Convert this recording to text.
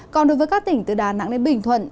còn đối với các tỉnh từ đà nẵng đến bình thuận